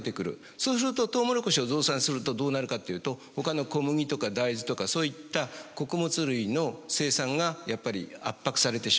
そうするとトウモロコシを増産するとどうなるかというとほかの小麦とか大豆とかそういった穀物類の生産がやっぱり圧迫されてしまう。